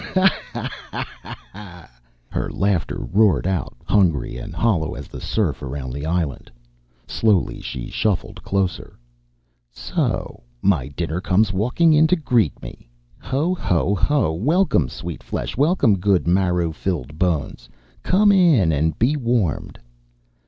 "Ho ho, ho ho!" Her laughter roared out, hungry and hollow as the surf around the island. Slowly, she shuffled closer. "So my dinner comes walking in to greet me, ho, ho, ho! Welcome, sweet flesh, welcome, good marrow filled bones, come in and be warmed."